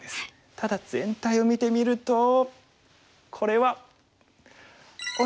ただ全体を見てみるとこれは。